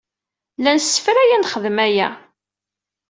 La nessefray ad nexdem aya.